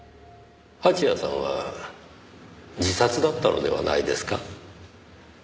蜂矢さんは自殺だったのではないですか？